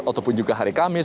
ataupun juga hari kamis